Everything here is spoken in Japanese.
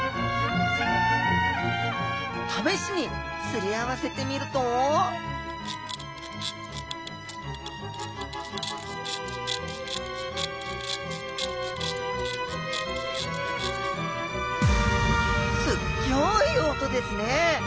試しに擦り合わせてみるとすっギョい音ですね！